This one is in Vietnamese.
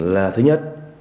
là thứ nhất